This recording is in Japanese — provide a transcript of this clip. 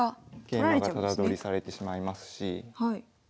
桂馬がタダ取りされてしまいますし。